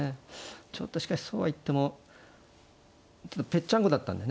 ちょっとしかしそうは言ってもちょっとぺっちゃんこだったんでね